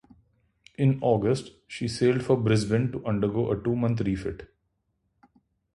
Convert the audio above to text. In August, she sailed for Brisbane to undergo a two-month refit.